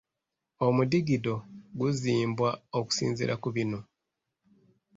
Omudigido guzimbwa okusinziira ku bino.